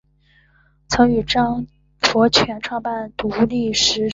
曾与张佛泉创办独立时论社。